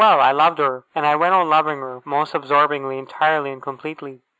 I loved her, and I went on loving her, most absorbingly, entirely, and completely.